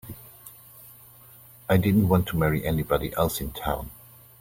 I didn't want to marry anybody else in town.